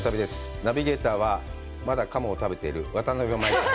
ナビゲーターはまだ鴨を食べている渡辺舞ちゃん。